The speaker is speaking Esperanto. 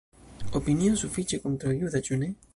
Opinio sufiĉe kontraŭ-juda, ĉu ne?